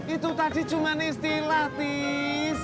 itu tadi cuma istilah tis